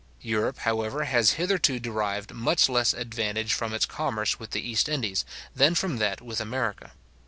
Europe, however, has hitherto derived much less advantage from its commerce with the East Indies, than from that with America.